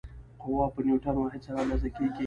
قوه په نیوټن واحد سره اندازه کېږي.